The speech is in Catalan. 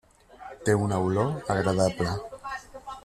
Té una olor agradable.